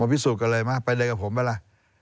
มาวิสูจน์กันเลยมาใช้ไปเลยกับผมไปล่ะ